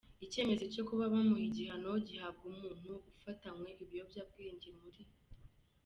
icyemezo cyo kuba bamuha igihano gihabwa umuntu ufatanwe ibiyobyabwenge muri.